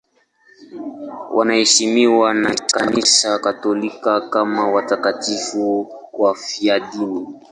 Wanaheshimiwa na Kanisa Katoliki kama watakatifu wafiadini.